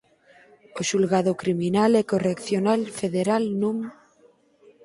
O Xulgado Criminal e Correccional Federal Núm.